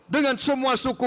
dengan semua suku